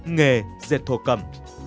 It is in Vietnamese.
nghề dệt thổ cầm